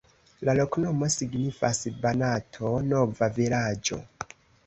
La loknomo signifas: Banato-nova-vilaĝo.